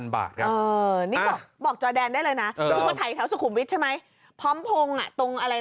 บาทเออนี่ก็บอกได้เลยน่ะเออพร้อมพงศ์อ่ะตรงอะไร